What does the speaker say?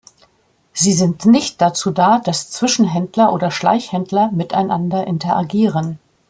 Sie sind nicht dazu da, dass Zwischenhändler oder Schleichhändler miteinander interagieren.